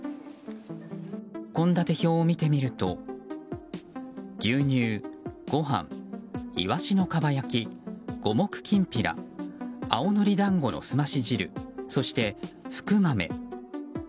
献立表を見てみると牛乳、ごはんイワシのかば焼き、五目きんぴら青のり団子の澄まし汁そして福豆。